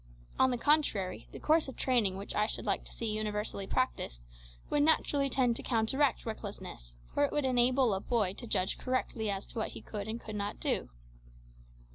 On the contrary, the course of training which I should like to see universally practised would naturally tend to counteract recklessness, for it would enable a boy to judge correctly as to what he could and could not do.